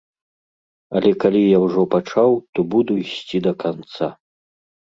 Але калі я ўжо пачаў, то буду ісці да канца.